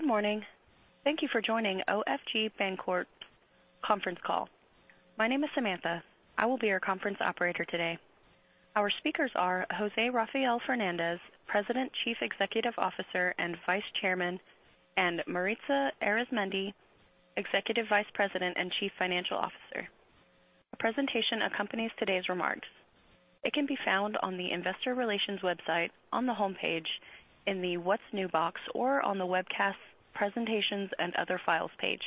Good morning. Thank you for joining OFG Bancorp Conference Call. My name is Samantha. I will be your conference operator today. Our speakers are José Rafael Fernández, President, Chief Executive Officer, and Vice Chairman, and Maritza Arizmendi, Executive Vice President and Chief Financial Officer. A presentation accompanies today's remarks. It can be found on the investor relations website on the homepage in the What's New box or on the Webcasts, Presentations, and Other Files page.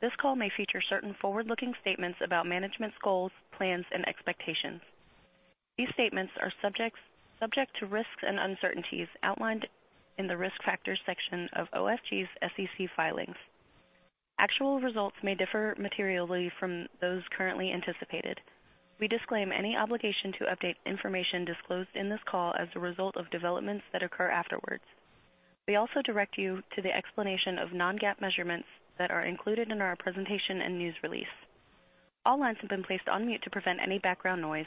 This call may feature certain forward-looking statements about management's goals, plans, and expectations. These statements are subject to risks and uncertainties outlined in the Risk Factors section of OFG's SEC filings. Actual results may differ materially from those currently anticipated. We disclaim any obligation to update information disclosed in this call as a result of developments that occur afterwards. We also direct you to the explanation of non-GAAP measurements that are included in our presentation and news release. All lines have been placed on mute to prevent any background noise.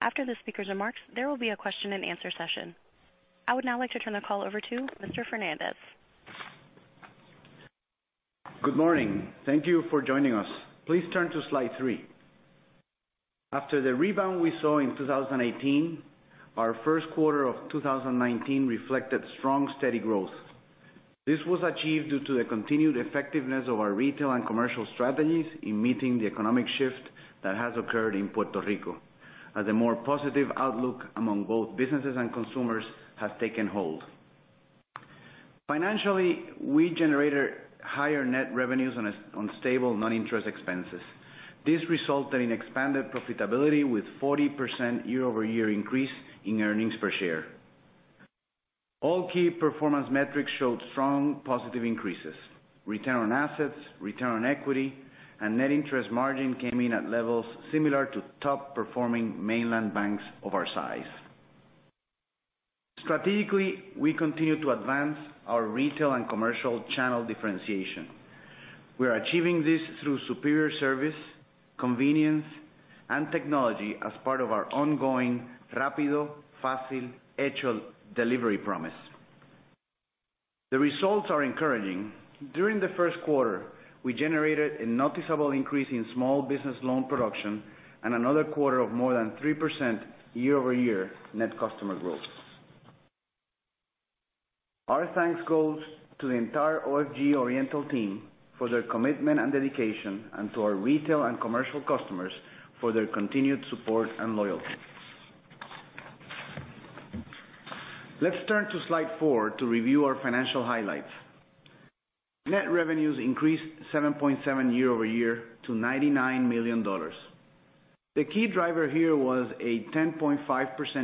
After the speakers' remarks, there will be a question and answer session. I would now like to turn the call over to Mr. Fernández. Good morning. Thank you for joining us. Please turn to slide three. After the rebound we saw in 2018, our first quarter of 2019 reflected strong, steady growth. This was achieved due to the continued effectiveness of our retail and commercial strategies in meeting the economic shift that has occurred in Puerto Rico as a more positive outlook among both businesses and consumers have taken hold. Financially, we generated higher net revenues on stable non-interest expenses. This resulted in expanded profitability with 40% year-over-year increase in earnings per share. All key performance metrics showed strong positive increases. Return on assets, return on equity, and net interest margin came in at levels similar to top-performing mainland banks of our size. Strategically, we continue to advance our retail and commercial channel differentiation. We are achieving this through superior service, convenience, and technology as part of our ongoing Rápido, Fácil, Hecho delivery promise. The results are encouraging. During the first quarter, we generated a noticeable increase in small business loan production and another quarter of more than 3% year-over-year net customer growth. Our thanks goes to the entire OFG Oriental team for their commitment and dedication and to our retail and commercial customers for their continued support and loyalty. Let's turn to slide four to review our financial highlights. Net revenues increased 7.7% year-over-year to $99 million. The key driver here was a 10.5%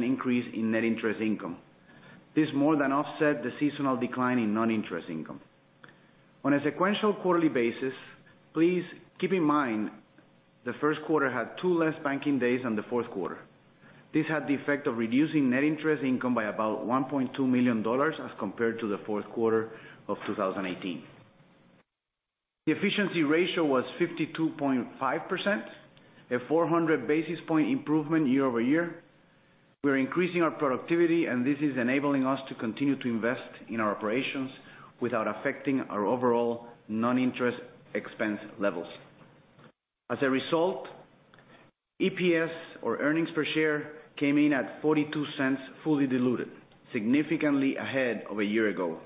increase in net interest income. This more than offset the seasonal decline in non-interest income. On a sequential quarterly basis, please keep in mind the first quarter had two less banking days than the fourth quarter. This had the effect of reducing net interest income by about $1.2 million as compared to the fourth quarter of 2018. The efficiency ratio was 52.5%, a 400 basis point improvement year-over-year. We're increasing our productivity. This is enabling us to continue to invest in our operations without affecting our overall non-interest expense levels. As a result, EPS or earnings per share came in at $0.42 fully diluted, significantly ahead of a year-ago.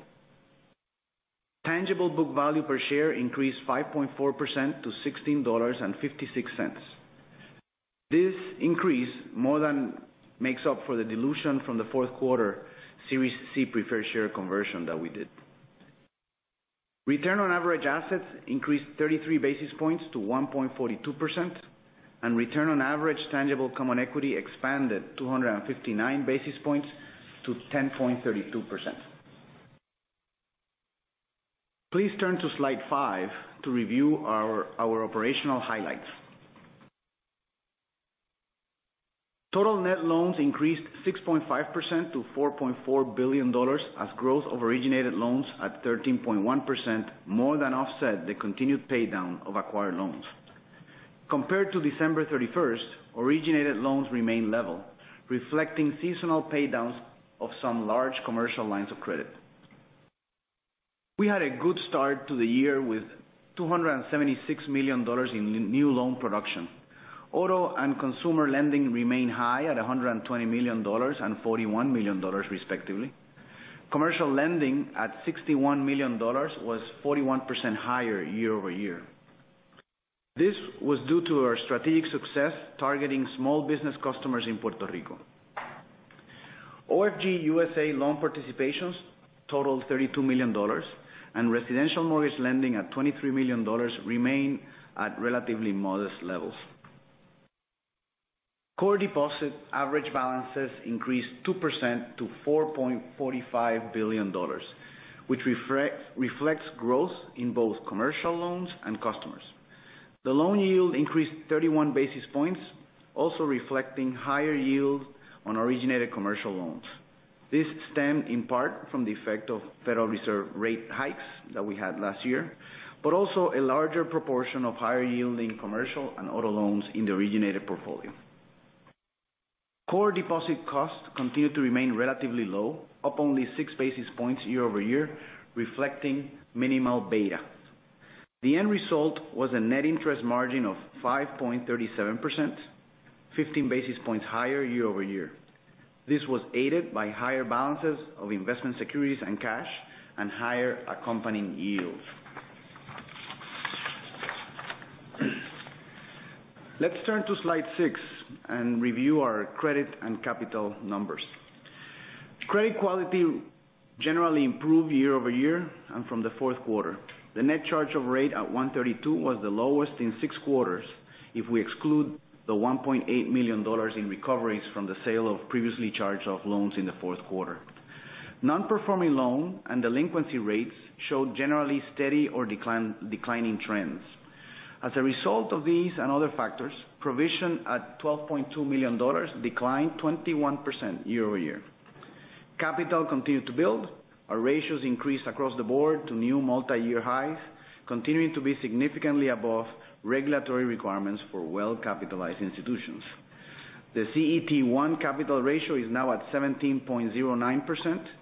Tangible book value per share increased 5.4% to $16.56. This increase more than makes up for the dilution from the fourth quarter Series C preferred share conversion that we did. Return on average assets increased 33 basis points to 1.42%, and return on average tangible common equity expanded 259 basis points to 10.32%. Please turn to slide five to review our operational highlights. Total net loans increased 6.5% to $4.4 billion as growth of originated loans at 13.1% more than offset the continued paydown of acquired loans. Compared to December 31st, originated loans remained level, reflecting seasonal paydowns of some large commercial lines of credit. We had a good start to the year with $276 million in new loan production. Auto and consumer lending remained high at $120 million and $41 million respectively. Commercial lending at $61 million was 41% higher year-over-year. This was due to our strategic success targeting small business customers in Puerto Rico. OFG USA loan participations totaled $32 million, and residential mortgage lending at $23 million remained at relatively modest levels. Core deposit average balances increased 2% to $4.45 billion, which reflects growth in both commercial loans and customers. The loan yield increased 31 basis points, also reflecting higher yields on originated commercial loans. This stemmed in part from the effect of Federal Reserve rate hikes that we had last year, but also a larger proportion of higher-yielding commercial and auto loans in the originated portfolio. Core deposit costs continue to remain relatively low, up only six basis points year-over-year, reflecting minimal beta. The end result was a net interest margin of 5.37%, 15 basis points higher year-over-year. This was aided by higher balances of investment securities and cash, and higher accompanying yields. Let's turn to slide six and review our credit and capital numbers. Credit quality generally improved year-over-year and from the fourth quarter. The net charge-off rate at 132 was the lowest in six quarters if we exclude the $1.8 million in recoveries from the sale of previously charged-off loans in the fourth quarter. Non-performing loan and delinquency rates showed generally steady or declining trends. As a result of these and other factors, provision at $12.2 million declined 21% year-over-year. Capital continued to build. Our ratios increased across the board to new multi-year highs, continuing to be significantly above regulatory requirements for well-capitalized institutions. The CET1 capital ratio is now at 17.09%,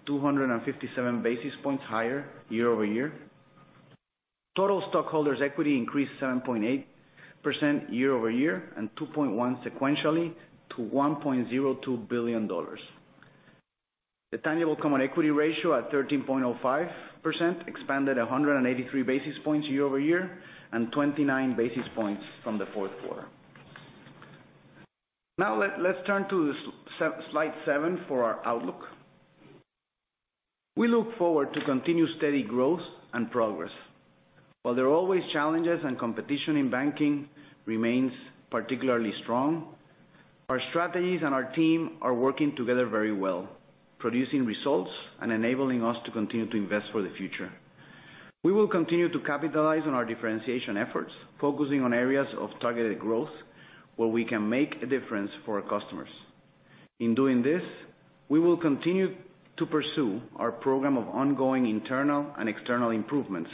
257 basis points higher year-over-year. Total stockholders' equity increased 7.8% year-over-year and 2.1 sequentially to $1.02 billion. The tangible common equity ratio at 13.05% expanded 183 basis points year-over-year and 29 basis points from the fourth quarter. Let's turn to slide seven for our outlook. We look forward to continued steady growth and progress. While there are always challenges and competition in banking remains particularly strong, our strategies and our team are working together very well, producing results and enabling us to continue to invest for the future. We will continue to capitalize on our differentiation efforts, focusing on areas of targeted growth where we can make a difference for our customers. In doing this, we will continue to pursue our program of ongoing internal and external improvements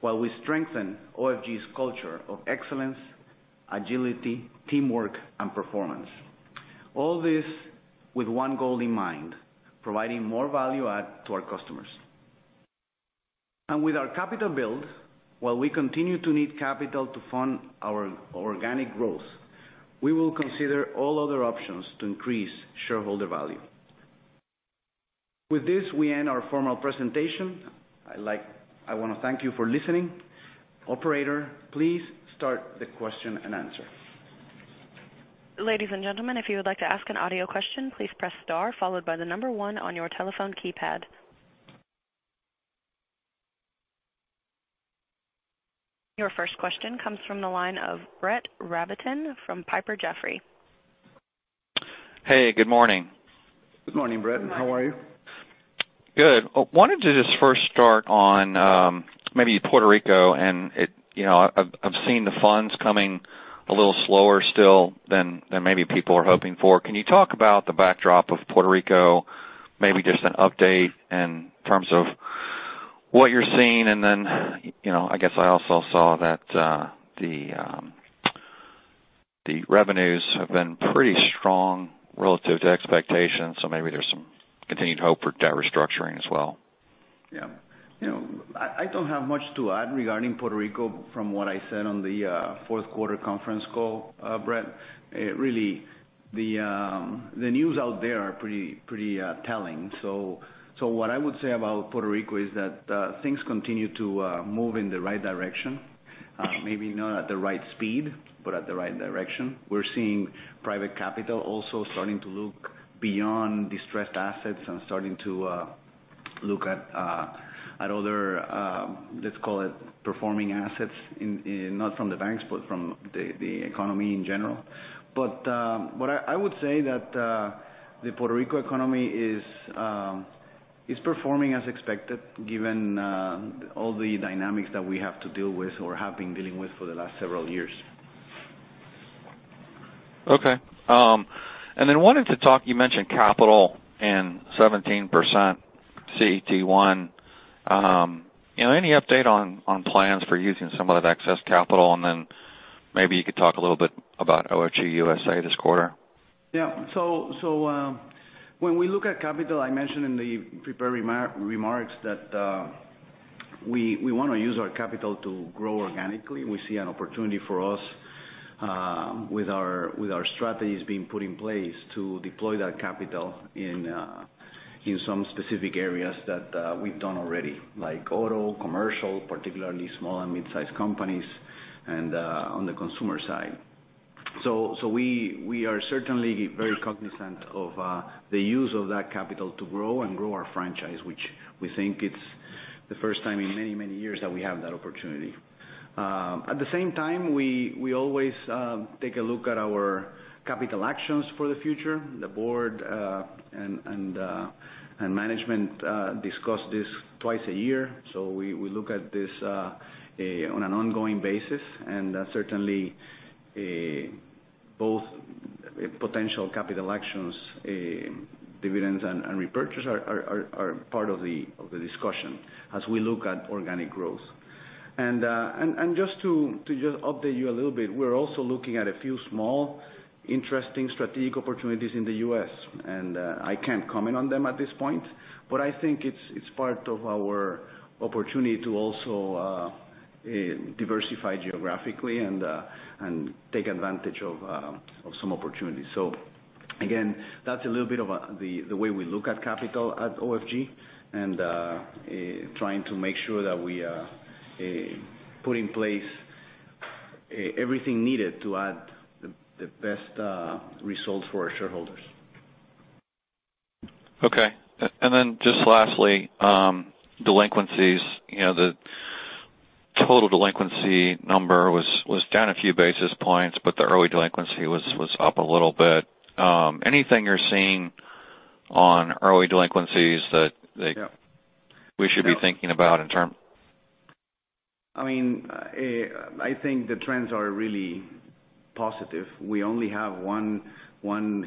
while we strengthen OFG's culture of excellence, agility, teamwork, and performance. All this with one goal in mind, providing more value add to our customers. With our capital build, while we continue to need capital to fund our organic growth, we will consider all other options to increase shareholder value. With this, we end our formal presentation. I want to thank you for listening. Operator, please start the question and answer. Ladies and gentlemen, if you would like to ask an audio question, please press star followed by the number one on your telephone keypad. Your first question comes from the line of Brett Rabatin from Piper Jaffray. Hey, good morning. Good morning, Brett. How are you? Good. I wanted to just first start on maybe Puerto Rico and I've seen the funds coming a little slower still than maybe people are hoping for. Can you talk about the backdrop of Puerto Rico, maybe just an update in terms of what you're seeing and then, I guess I also saw that the revenues have been pretty strong relative to expectations, so maybe there's some continued hope for debt restructuring as well. Yeah. I don't have much to add regarding Puerto Rico from what I said on the fourth-quarter conference call, Brett. Really, the news out there are pretty telling. What I would say about Puerto Rico is that things continue to move in the right direction. Maybe not at the right speed, but at the right direction. We're seeing private capital also starting to look beyond distressed assets and starting to look at other, let's call it performing assets, not from the banks, but from the economy in general. I would say that the Puerto Rico economy is performing as expected given all the dynamics that we have to deal with or have been dealing with for the last several years. Okay. Wanted to talk, you mentioned capital and 17% CET1. Any update on plans for using some of that excess capital? Maybe you could talk a little bit about OFG USA this quarter. Yeah. When we look at capital, I mentioned in the prepared remarks that we want to use our capital to grow organically. We see an opportunity for us with our strategies being put in place to deploy that capital in some specific areas that we've done already, like auto, commercial, particularly small and mid-size companies, and on the consumer side. We are certainly very cognizant of the use of that capital to grow and grow our franchise, which we think it's the first time in many, many years that we have that opportunity. At the same time, we always take a look at our capital actions for the future. The board and management discuss this twice a year. We look at this on an ongoing basis, certainly both potential capital actions, dividends, and repurchase are part of the discussion as we look at organic growth. Just to update you a little bit, we're also looking at a few small, interesting strategic opportunities in the U.S. I can't comment on them at this point, but I think it's part of our opportunity to also diversify geographically and take advantage of some opportunities. Again, that's a little bit of the way we look at capital at OFG and trying to make sure that we put in place everything needed to add the best results for our shareholders. Okay. Just lastly, delinquencies. The total delinquency number was down a few basis points, but the early delinquency was up a little bit. Anything you're seeing on early delinquencies that- Yeah we should be thinking about in term? I think the trends are really positive. We only have one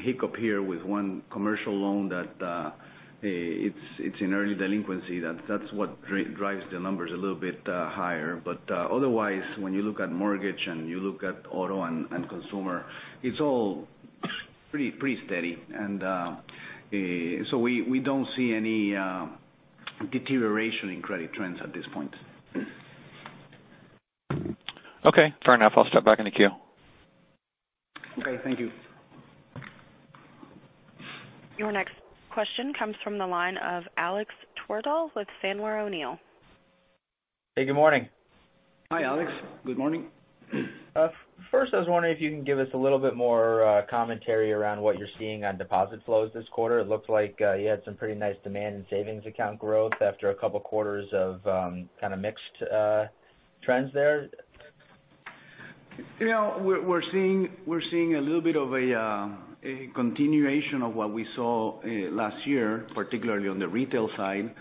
hiccup here with one commercial loan that it's in early delinquency. That's what drives the numbers a little bit higher. Otherwise, when you look at mortgage and you look at auto and consumer, it's all pretty steady. We don't see any deterioration in credit trends at this point. Okay, fair enough. I'll step back in the queue. Okay, thank you. Your next question comes from the line of Alex Twerdahl with Sandler O'Neill. Hey, good morning. Hi, Alex. Good morning. I was wondering if you can give us a little bit more commentary around what you're seeing on deposit flows this quarter. It looks like you had some pretty nice demand in savings account growth after a couple of quarters of kind of mixed trends there. We're seeing a little bit of a continuation of what we saw last year, particularly on the retail side.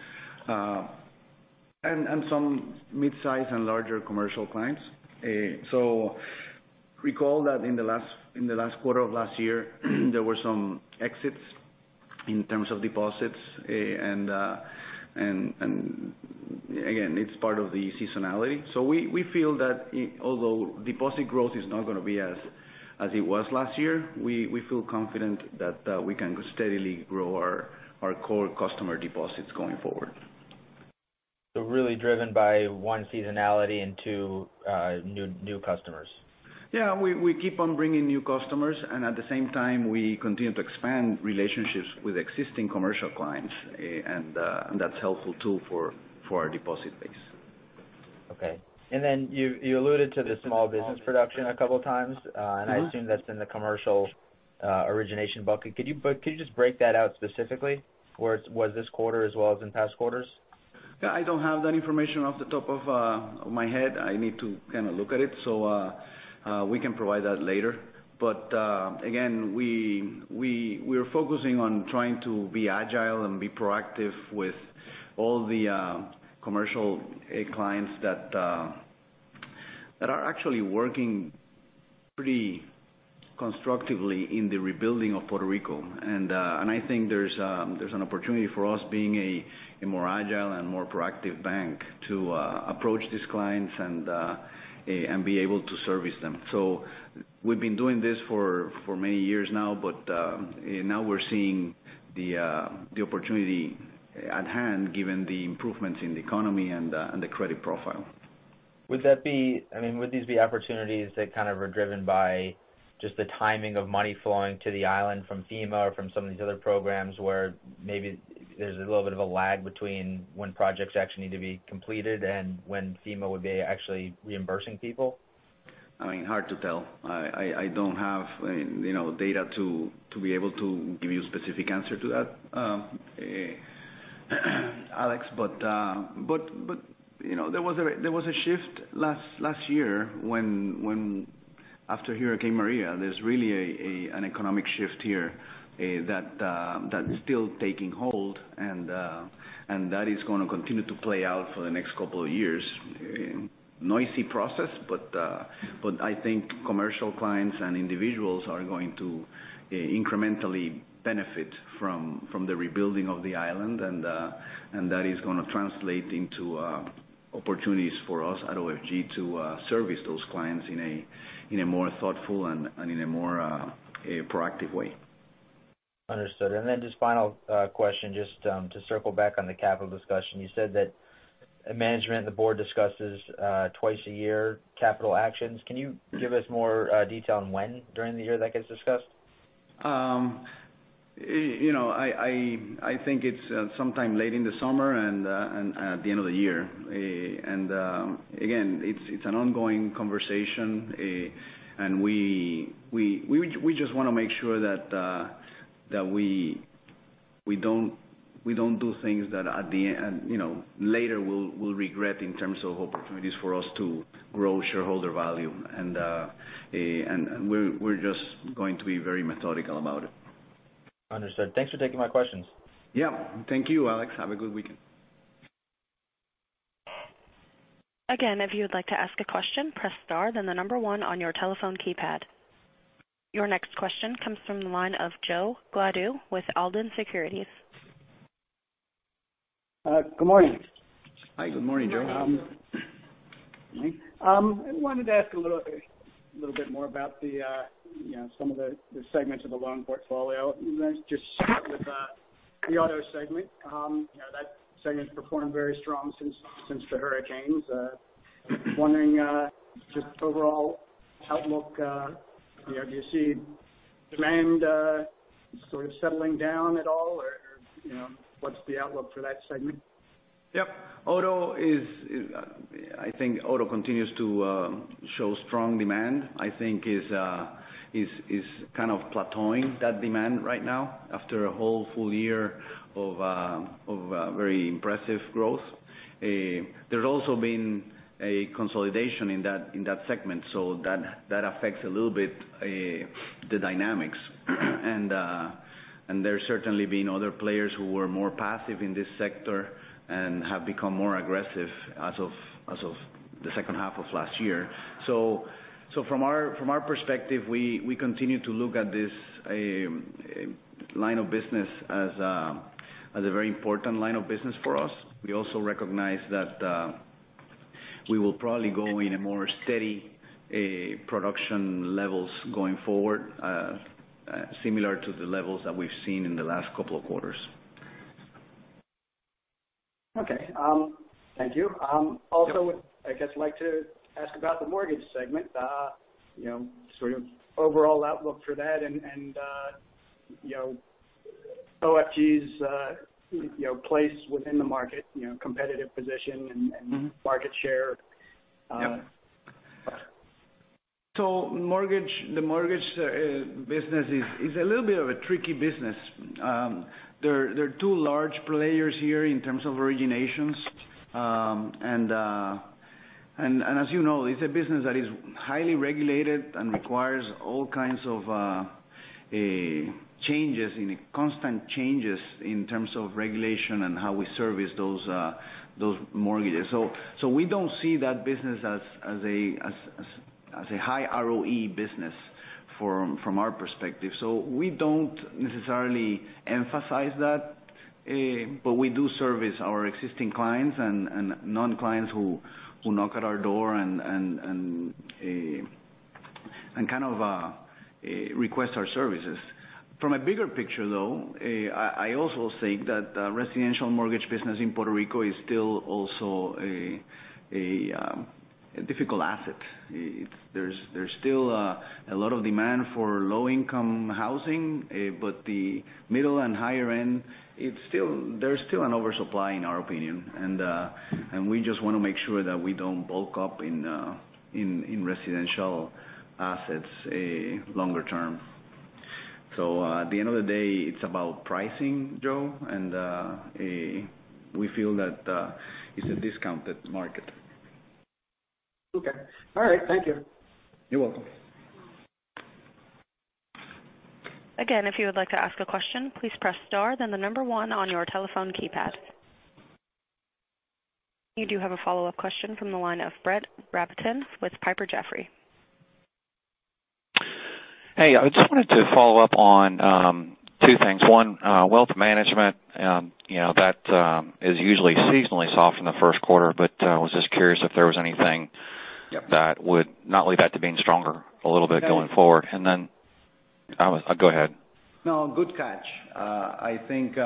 Some mid-size and larger commercial clients. Recall that in the last quarter of last year, there were some exits in terms of deposits. Again, it's part of the seasonality. We feel that although deposit growth is not going to be as it was last year, we feel confident that we can steadily grow our core customer deposits going forward. Really driven by one, seasonality, and two new customers. Yeah. We keep on bringing new customers. At the same time, we continue to expand relationships with existing commercial clients. That's helpful too for our deposit base. Okay. Then you alluded to the small business production a couple of times. I assume that's in the commercial origination bucket. Could you just break that out specifically, was this quarter as well as in past quarters? Yeah, I don't have that information off the top of my head. I need to kind of look at it. We can provide that later. Again, we're focusing on trying to be agile and be proactive with all the commercial clients that are actually working pretty constructively in the rebuilding of Puerto Rico. I think there's an opportunity for us being a more agile and more proactive bank to approach these clients and be able to service them. We've been doing this for many years now, but now we're seeing the opportunity at hand given the improvements in the economy and the credit profile. Would these be opportunities that kind of are driven by just the timing of money flowing to the island from FEMA or from some of these other programs, where maybe there's a little bit of a lag between when projects actually need to be completed and when FEMA would be actually reimbursing people? Hard to tell. I don't have data to be able to give you a specific answer to that, Alex. There was a shift last year when after Hurricane Maria. There's really an economic shift here that is still taking hold, and that is going to continue to play out for the next couple of years. Noisy process, but I think commercial clients and individuals are going to incrementally benefit from the rebuilding of the island. That is going to translate into opportunities for us at OFG to service those clients in a more thoughtful and in a more proactive way. Understood. Then just final question, just to circle back on the capital discussion. You said that management and the board discusses twice a year capital actions. Can you give us more detail on when during the year that gets discussed? I think it's sometime late in the summer and at the end of the year. Again, it's an ongoing conversation. We just want to make sure that we don't do things that later we'll regret in terms of opportunities for us to grow shareholder value. We're just going to be very methodical about it. Understood. Thanks for taking my questions. Yeah. Thank you, Alex. Have a good weekend. Again, if you would like to ask a question, press star, then the number one on your telephone keypad. Your next question comes from the line of Joe Gladue with Alden Securities. Good morning. Hi. Good morning, Joe. I wanted to ask a little bit more about some of the segments of the loan portfolio. Just start with the auto segment. That segment has performed very strongly since the hurricanes. I was wondering, just overall outlook, do you see demand sort of settling down at all, or what's the outlook for that segment? Yep. I think auto continues to show strong demand. I think it's kind of plateauing, that demand right now, after a whole full year of very impressive growth. There's also been a consolidation in that segment. That affects a little bit the dynamics. There's certainly been other players who were more passive in this sector and have become more aggressive as of the second half of last year. From our perspective, we continue to look at this line of business as a very important line of business for us. We also recognize that we will probably go in a more steady production levels going forward, similar to the levels that we've seen in the last couple of quarters. Okay. Thank you. Yep. I'd just like to ask about the mortgage segment. Sort of overall outlook for that and OFG's place within the market, competitive position. market share. Yep. The mortgage business is a little bit of a tricky business. There are two large players here in terms of originations. As you know, it's a business that is highly regulated and requires all kinds of constant changes in terms of regulation and how we service those mortgages. We don't see that business as a high ROE business from our perspective. We don't necessarily emphasize that. We do service our existing clients and non-clients who knock at our door and kind of request our services. From a bigger picture, though, I also think that the residential mortgage business in Puerto Rico is still also a difficult asset. There's still a lot of demand for low-income housing. The middle and higher end, there's still an oversupply, in our opinion. We just want to make sure that we don't bulk up in residential assets longer term. At the end of the day, it's about pricing, Joe, we feel that it's a discounted market. Okay. All right. Thank you. You're welcome. Again, if you would like to ask a question, please press star, then one on your telephone keypad. You do have a follow-up question from the line of Brett Rabatin with Piper Jaffray. Hey, I just wanted to follow up on two things. One, wealth management. That is usually seasonally soft in the first quarter, but I was just curious if there was anything. Yep that would not lead that to being stronger a little bit going forward. Go ahead. No, good catch. I think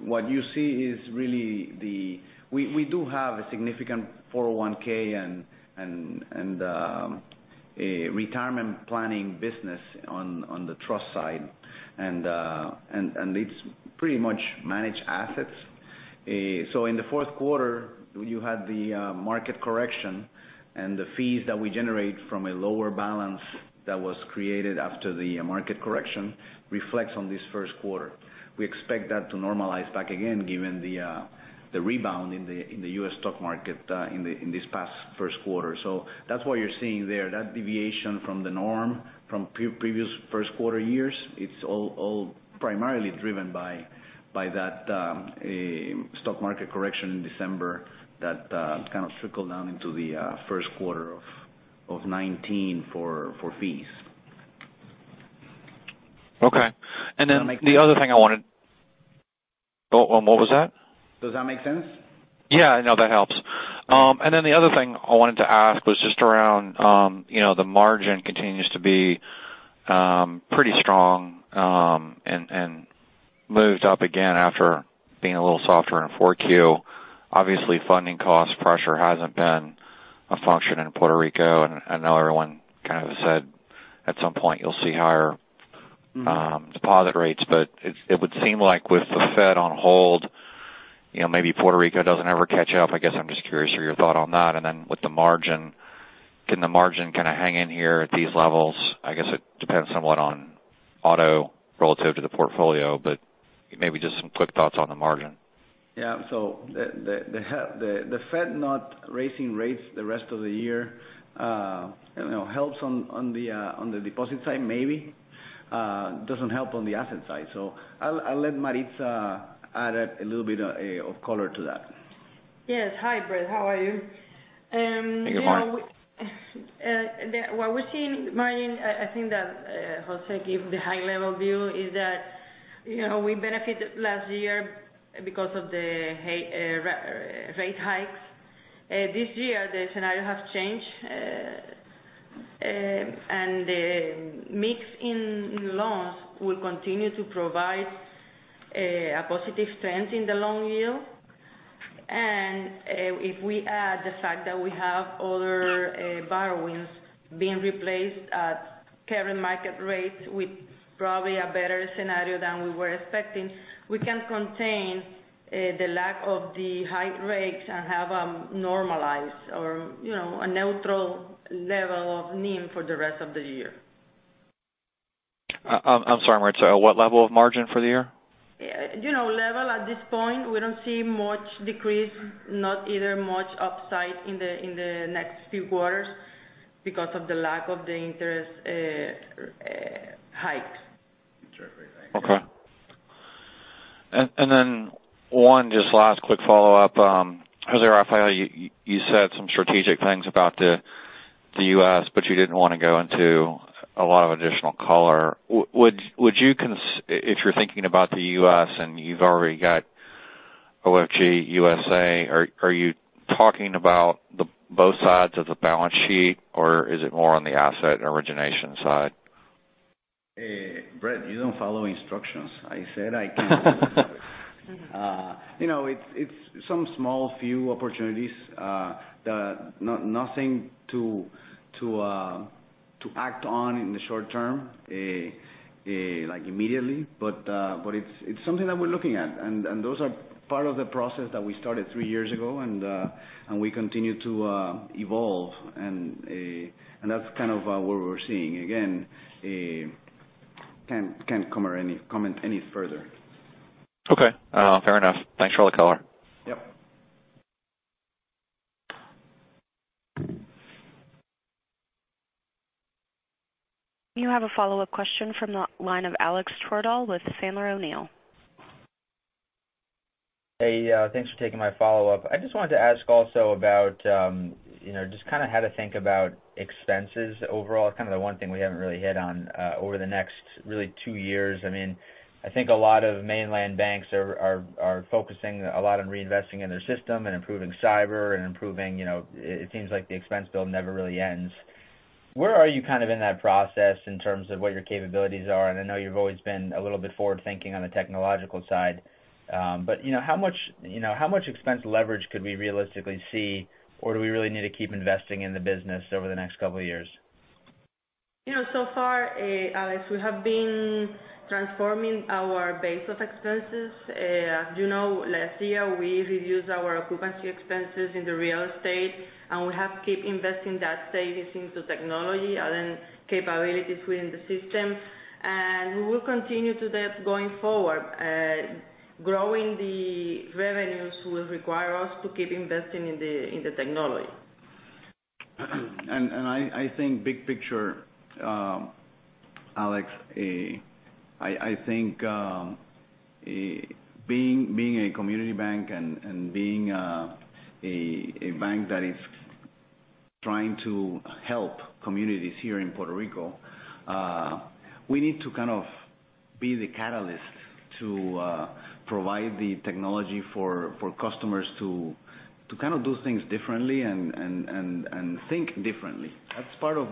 what you see is really we do have a significant 401(k) and retirement planning business on the trust side, and it's pretty much managed assets. In the fourth quarter, you had the market correction, and the fees that we generate from a lower balance that was created after the market correction reflects on this first quarter. We expect that to normalize back again, given the rebound in the U.S. stock market in this past first quarter. That's why you're seeing there that deviation from the norm from previous first quarter years. It's all primarily driven by that stock market correction in December that kind of trickled down into the first quarter of 2019 for fees. Okay. The other thing What was that? Does that make sense? Yeah. No, that helps. Great. The other thing I wanted to ask was just around the margin continues to be pretty strong and moved up again after being a little softer in 4Q. Obviously, funding cost pressure hasn't been a function in Puerto Rico. I know everyone kind of said at some point you'll see deposit rates. It would seem like with the Fed on hold, maybe Puerto Rico doesn't ever catch up. I guess I'm just curious for your thought on that. With the margin, can the margin kind of hang in here at these levels? I guess it depends somewhat on auto relative to the portfolio, but maybe just some quick thoughts on the margin. Yeah. The Fed not raising rates the rest of the year helps on the deposit side, maybe. Doesn't help on the asset side. I'll let Maritza add a little bit of color to that. Yes. Hi, Brett. How are you? Hey, good morning. What we're seeing, margin, I think that José gave the high-level view is that we benefited last year because of the rate hikes. This year, the scenario has changed, and the mix in loans will continue to provide a positive trend in the loan yield. If we add the fact that we have other borrowings being replaced at current market rates with probably a better scenario than we were expecting, we can contain the lack of the high rates and have a normalized or a neutral level of NIM for the rest of the year. I'm sorry, Maritza, what level of margin for the year? Level at this point, we don't see much decrease, not either much upside in the next few quarters because of the lack of the interest hikes. Okay. One just last quick follow-up. José Rafael, you said some strategic things about the U.S., you didn't want to go into a lot of additional color. If you're thinking about the U.S. and you've already got OFG USA, are you talking about both sides of the balance sheet, or is it more on the asset and origination side? Brett, you don't follow instructions. I said I can't. It's some small few opportunities. Nothing to act on in the short term, like immediately. It's something that we're looking at, those are part of the process that we started three years ago, we continue to evolve, that's kind of where we're seeing. Again, can't comment any further. Okay. Fair enough. Thanks for all the color. Yep. You have a follow-up question from the line of Alex Twerdahl with Sandler O'Neill. Hey, thanks for taking my follow-up. I just wanted to ask also about just kind of how to think about expenses overall. Kind of the one thing we haven't really hit on over the next really two years. I think a lot of mainland banks are focusing a lot on reinvesting in their system and improving cyber. It seems like the expense bill never really ends. Where are you kind of in that process in terms of what your capabilities are? I know you've always been a little bit forward-thinking on the technological side. How much expense leverage could we realistically see, or do we really need to keep investing in the business over the next couple of years? Far, Alex, we have been transforming our base of expenses. As you know, last year we reduced our occupancy expenses in the real estate, and we have keep investing that savings into technology and capabilities within the system. We will continue to do that going forward. Growing the revenues will require us to keep investing in the technology. I think big picture, Alex, I think being a community bank and being a bank that is trying to help communities here in Puerto Rico, we need to kind of be the catalyst to provide the technology for customers to kind of do things differently and think differently. That's part of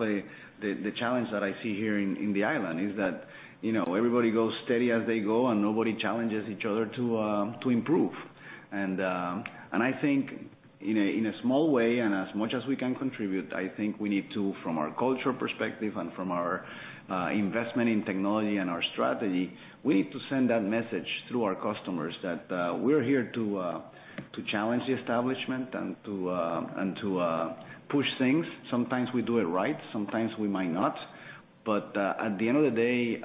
the challenge that I see here in the island is that everybody goes steady as they go, and nobody challenges each other to improve. I think in a small way and as much as we can contribute, I think we need to, from our culture perspective and from our investment in technology and our strategy, we need to send that message through our customers that we're here to challenge the establishment and to push things. Sometimes we do it right, sometimes we might not. At the end of the day,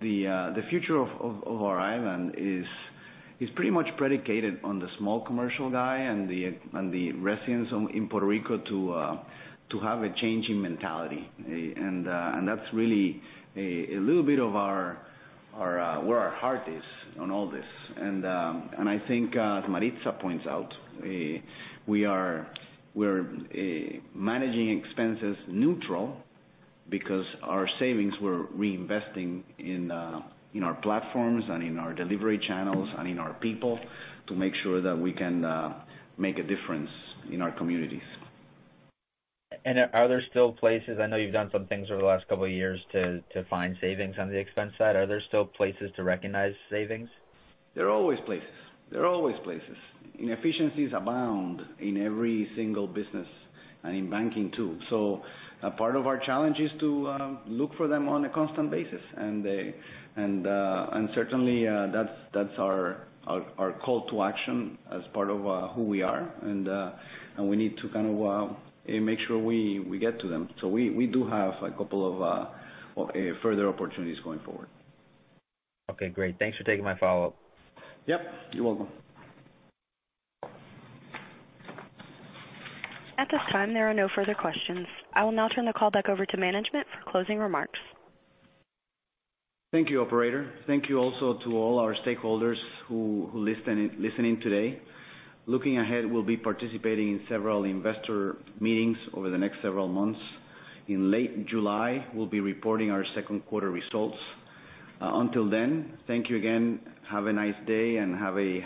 the future of our island is pretty much predicated on the small commercial guy and the residents in Puerto Rico to have a change in mentality. That's really a little bit of where our heart is on all this. I think as Maritza points out, we're managing expenses neutral because our savings we're reinvesting in our platforms and in our delivery channels and in our people to make sure that we can make a difference in our communities. Are there still places, I know you've done some things over the last couple of years to find savings on the expense side. Are there still places to recognize savings? There are always places. Inefficiencies abound in every single business and in banking, too. A part of our challenge is to look for them on a constant basis. Certainly, that's our call to action as part of who we are. We need to kind of make sure we get to them. We do have a couple of further opportunities going forward. Okay, great. Thanks for taking my follow-up. Yep, you're welcome. At this time, there are no further questions. I will now turn the call back over to management for closing remarks. Thank you, operator. Thank you also to all our stakeholders who listened in today. Looking ahead, we'll be participating in several investor meetings over the next several months. In late July, we'll be reporting our second quarter results. Until then, thank you again. Have a nice day.